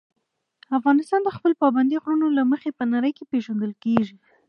افغانستان د خپلو پابندي غرونو له مخې په نړۍ پېژندل کېږي.